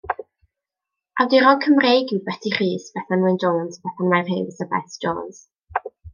Awduron Cymreig yw Beti Rhys, Bethan Wyn Jones, Bethan Mair Hughes a Bet Jones.